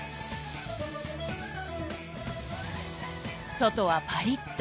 外はパリッと。